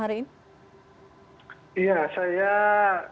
pertanyaan pertama apa yang anda